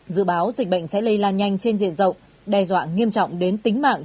dự báo dịch bệnh sẽ lây lan nhanh trên diện rộng đe dọa nghiêm trọng đến tính mạng